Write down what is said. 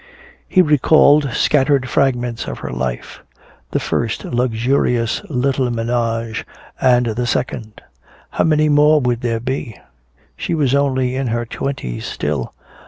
He recalled scattered fragments of her life the first luxurious little ménage, and the second. How many more would there be? She was only in her twenties still.